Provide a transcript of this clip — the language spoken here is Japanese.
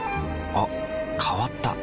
あ変わった。